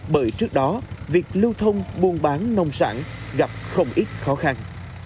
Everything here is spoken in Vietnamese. bởi trước đó việc lưu thông buôn bán nông sản gặp không ít khó khăn